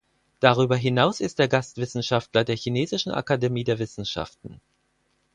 Darüber hinaus ist er Gastwissenschaftler der Chinesischen Akademie der Wissenschaften.